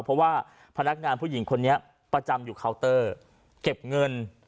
เพราะว่าพนักงานผู้หญิงคนนี้ประจำอยู่เคาน์เตอร์เก็บเงิน